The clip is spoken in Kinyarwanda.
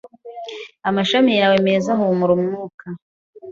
Amashami yawe meza ahumura umwuka